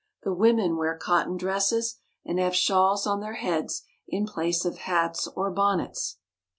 The women wear cotton dresses, and have shawls on their heads in place of hats or bonnets.